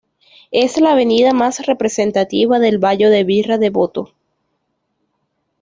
Es la avenida más representativa del barrio de Villa Devoto.